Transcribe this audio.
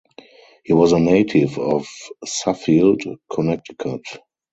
He was a native of Suffield, Connecticut.